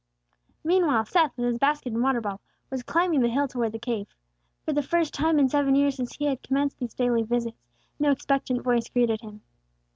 Meanwhile, Seth, with his basket and water bottle, was climbing the hill toward the cave. For the first time in seven years since he had commenced these daily visits, no expectant voice greeted him.